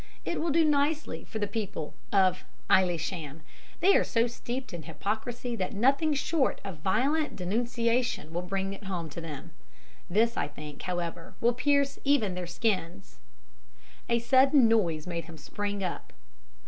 "It will do nicely for the people of Aylesham. They are so steeped in hypocrisy that nothing short of violent denunciation will bring it home to them. This I think, however, will pierce even their skins." A sudden noise made him spring up.